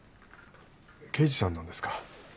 刑事さんなんですか。